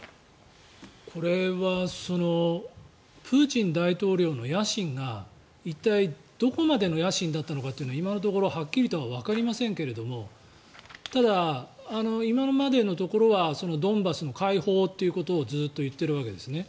これはプーチン大統領の野心が一体、どこまでの野心だったのかということは今のところはっきりとはわかりませんけどただ、今までのところはドンバスの解放ということをずっと言っているわけですね。